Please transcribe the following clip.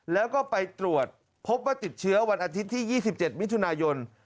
แล้วก็ไปตรวจพบว่าติดเชื้อวันอาทิตย์ที่๒๗มิถุนายน